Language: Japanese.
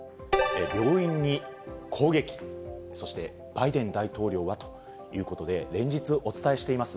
病院に攻撃、そしてバイデン大統領は？ということで、連日お伝えしています